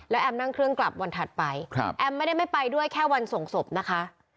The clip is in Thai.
แอมนั่งเครื่องกลับวันถัดไปแอมไม่ได้ไม่ไปด้วยแค่วันส่งศพนะคะ